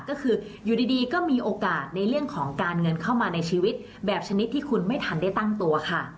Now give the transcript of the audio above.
ก็คืออยู่ดีก็มีโอกาสในเรื่องของการเงินเข้ามาในชีวิตแบบชนิดที่คุณไม่ทันได้ตั้งตัวค่ะ